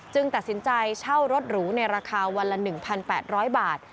ตัดสินใจเช่ารถหรูในราคาวันละ๑๘๐๐บาท